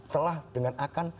telah dengan akan